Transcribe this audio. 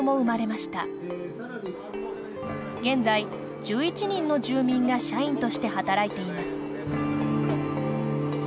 現在１１人の住民が社員として働いています。